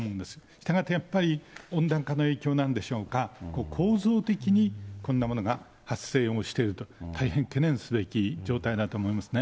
したがってやっぱり、温暖化の影響なんでしょうか、構造的に、こんなものが発生をしていると、大変懸念すべき状態だと思いますね。